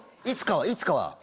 いつかはいつかは。